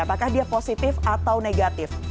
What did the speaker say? apakah dia positif atau negatif